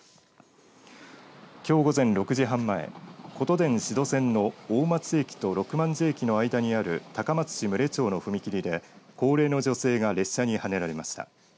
きょう午前６時半前ことでん志度線の大町駅と六万寺駅の間にある高松市牟礼町の踏切で高齢の女性が列車にはねられました。